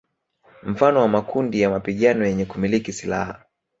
Mfano wa makundi ya mapigano yenye kumiliki silaha